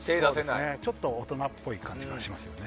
ちょっと大人っぽい感じがしますよね。